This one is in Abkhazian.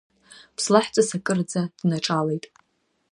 Ԥслаҳәҵас акыӡӷра днаҿалеит…